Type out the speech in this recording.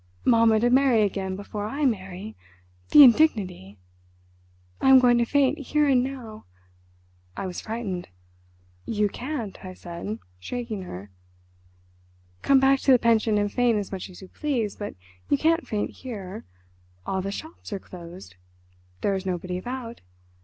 Mamma to marry again before I marry—the indignity. I am going to faint here and now." I was frightened. "You can't," I said, shaking her. "Come back to the pension and faint as much as you please. But you can't faint here. All the shops are closed. There is nobody about.